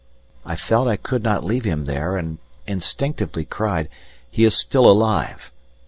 I felt I could not leave him there, and instinctively cried, "He is still alive!"